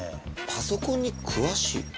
「パソコンに詳しい」？